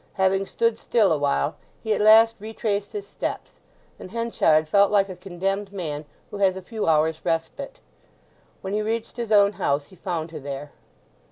Having stood still awhile he at last retraced his steps, and Henchard felt like a condemned man who has a few hours' respite. When he reached his own house he found her there.